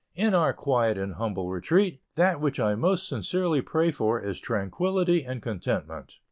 In our quiet and humble retreat, that which I most sincerely pray for is tranquillity and contentment.